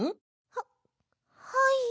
ははい。